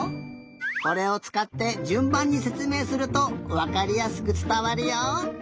これをつかってじゅんばんにせつめいするとわかりやすくつたわるよ。